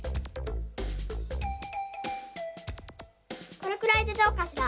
これくらいでどうかしら？